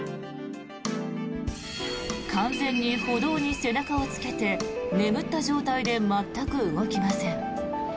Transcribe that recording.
完全に歩道に背中をつけて眠った状態で全く動きません。